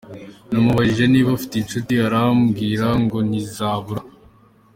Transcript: Namubajije niba afite inshuti arambwira ngo ntizabura.